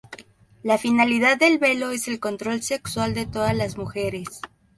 La finalidad del velo es el control sexual de todas las mujeres.